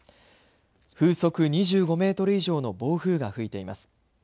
風速２５メートル以上の暴風が吹いています。